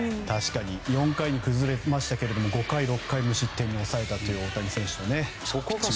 ４回に崩れましたが５回、６回は無失点に抑えた大谷選手。